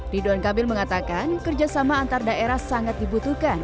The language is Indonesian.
ridwan kamil mengatakan kerjasama antar daerah sangat dibutuhkan